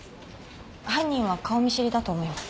犯人は顔見知りだと思います。